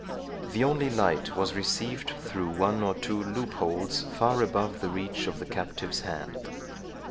The only light was received through one or two loop holes far above the reach of the captive's hand.